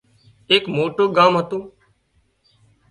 ايڪ موٽُون ڳام هتُون